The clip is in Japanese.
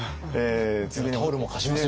タオルも貸しますよ。